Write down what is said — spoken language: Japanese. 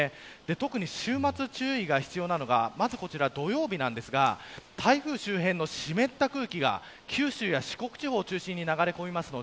特に週末、注意が必要なのがこちら土曜日ですが台風周辺の湿った空気が九州や四国地方を中心に流れ込みます。